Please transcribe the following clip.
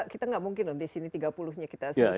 kita nggak mungkin loh disini tiga puluh nya kita sebutkan